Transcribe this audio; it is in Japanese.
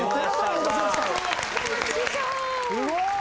すごい！